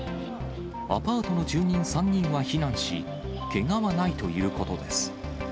アパートの住人３人は避難し、けがはないということです。